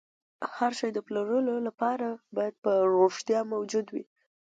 هر شی د پلورلو لپاره باید په رښتیا موجود وي